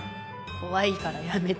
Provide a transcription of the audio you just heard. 怖いからやめて。